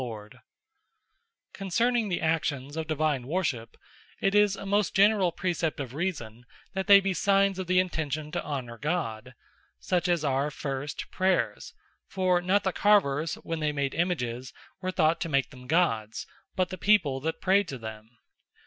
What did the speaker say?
Actions That Are Signes Of Divine Honour Concerning the actions of Divine Worship, it is a most generall Precept of Reason, that they be signes of the Intention to Honour God; such as are, First, Prayers: For not the Carvers, when they made Images, were thought to make them Gods; but the People that Prayed to them.